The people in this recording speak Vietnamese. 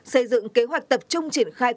xây dựng kế hoạch tập trung triển khai